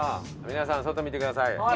皆さん外見てください。